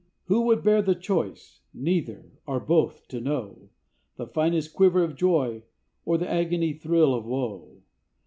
Who would dare the choice, neither or both to know, The finest quiver of joy or the agony thrill of woe?